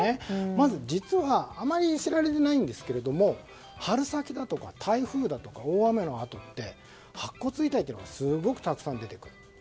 まず実は、あまり知られていないんですけども春先だとか台風だとか大雨のあとって白骨遺体はたくさん出てくる。